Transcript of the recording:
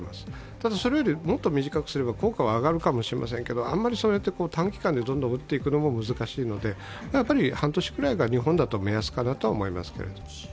ただそれよりももっと短くすれば効果は下がるかもしれませんけどあまりそうやって短期間でどんどん打っていくのも難しいので、半年くらいが日本だと目安かなと思います。